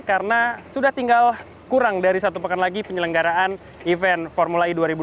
karena sudah tinggal kurang dari satu pekan lagi penyelenggaraan event formula e dua ribu dua puluh tiga